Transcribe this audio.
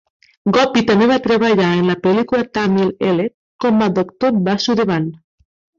Gopi també va treballar en la pel·lícula tamil "I" com a Dr. Vasudevan.